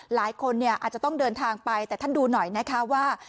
หลายคนเนี่ยอาจจะต้องเดินทางไปแต่ท่านดูหน่อยนะคะว่า